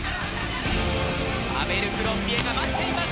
アベルクロンビエが待っています。